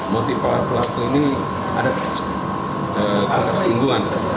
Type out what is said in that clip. motif pelaku pelaku ini ada kesingguhan